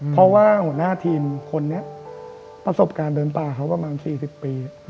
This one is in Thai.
เพราะว่าหัวหน้าทีมคนนี้ประสบการณ์เดินป่าเขาประมาณ๔๐ปี